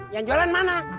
yang jualan mana